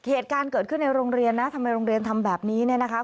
เหตุการณ์เกิดขึ้นในโรงเรียนนะทำไมโรงเรียนทำแบบนี้เนี่ยนะคะ